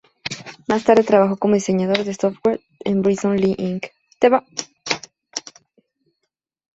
Más tarde trabajó como diseñador de software en Britton Lee, Inc..